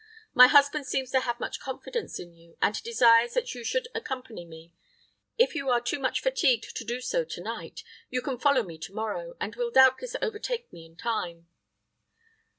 My husband seems to have much confidence in you, and desires that you should accompany me. If you are too much fatigued to do so to night, you can follow me to morrow, and will doubtless overtake me in time."